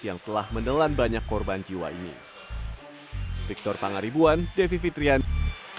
yang telah menelan banyak korban jiwa ini victor pangaribuan devi fitriani